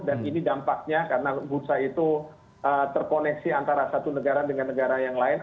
dan ini dampaknya karena bursa itu terkoneksi antara satu negara dengan negara yang lain